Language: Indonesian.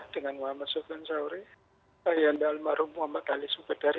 dengan muhammad sufian sauri ayah dalmaru muhammad ali sufidari